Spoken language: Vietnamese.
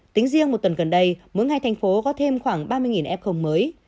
tính riêng một tuần gần đây mỗi ngày thành phố có thêm khoảng ba mươi ép công mới